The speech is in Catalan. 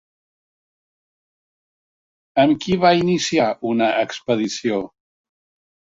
Amb qui va iniciar una expedició?